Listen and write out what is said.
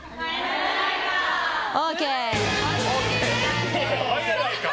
ＯＫ！